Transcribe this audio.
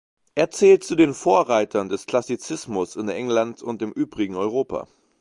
Er zählt zu den Vorreitern des Klassizismus in England und im übrigen Europa.